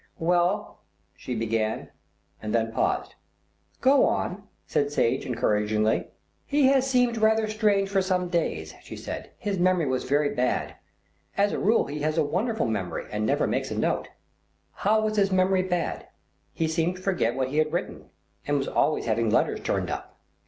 "Well," she began, and then paused. "Go on," said Sage encouragingly. "He has seemed rather strange for some days," she said, "his memory was very bad. As a rule he has a wonderful memory, and never makes a note." "How was his memory bad?" "He seemed to forget what he had written, and was always having letters turned up."